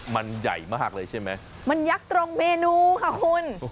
มันใหญ่มากเลยใช่ไหมมันยักษ์ตรงเมนูค่ะคุณ